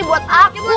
ini buat aku